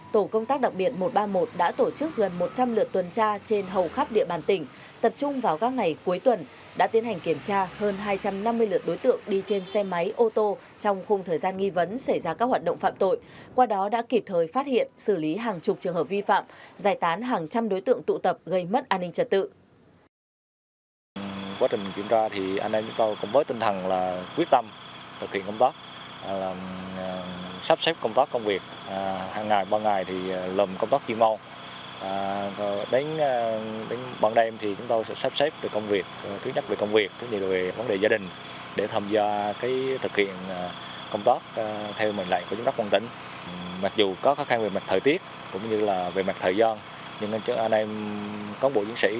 tổ công tác đặc biệt một trăm ba mươi một đã tổ chức gần một trăm linh lượt tuần tra trên hầu khắp địa bàn tỉnh tập trung vào các ngày cuối tuần đã tiến hành kiểm tra hơn hai trăm năm mươi lượt đối tượng đi trên xe máy ô tô trong khung thời gian nghi vấn xảy ra các hoạt động phạm tội qua đó đã kịp thời phát hiện xử lý hàng chục trường hợp vi phạm giải tán hàng trăm đối tượng đi trên xe máy ô tô trong khung thời gian nghi vấn xảy ra các hoạt động phạm tội